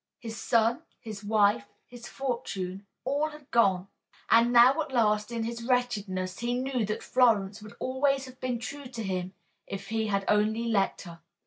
His son, his wife, his fortune, all had gone, and now at last in his wretchedness he knew that Florence would always have been true to him if he had only let her.